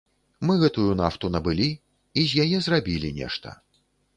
Мы гэтую нафту набылі і з яе зрабілі нешта.